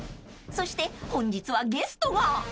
［そして本日はゲストが］